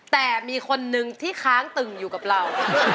แต่มีคนนึงที่ค้างตึงอยู่กับเรา